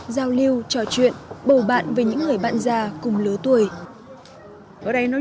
giao lưu trò chuyện bầu bạn về những người bạn già cùng lứa tuổi